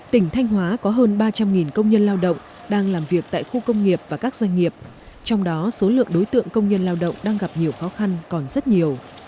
tỉnh thanh hóa có hơn ba trăm linh công nhân lao động đang làm việc tại khu công nghiệp và các doanh nghiệp trong đó số lượng đối tượng công nhân lao động đang gặp nhiều khó khăn còn rất nhiều